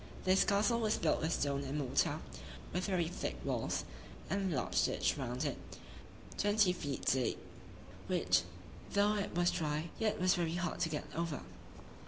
This castle was built with stone and mortar, with very thick walls, and a large ditch round it, twenty feet deep, which, though it was dry, yet was very hard to get over.